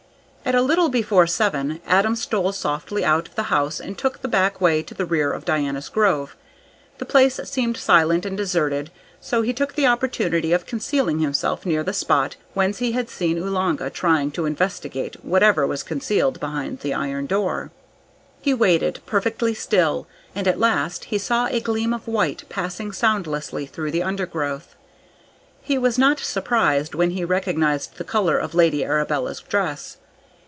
At a little before seven Adam stole softly out of the house and took the back way to the rear of Diana's Grove. The place seemed silent and deserted, so he took the opportunity of concealing himself near the spot whence he had seen Oolanga trying to investigate whatever was concealed behind the iron door. He waited, perfectly still, and at last saw a gleam of white passing soundlessly through the undergrowth. He was not surprised when he recognised the colour of Lady Arabella's dress.